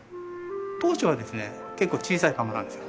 当初はですねけっこう小さい窯なんですよ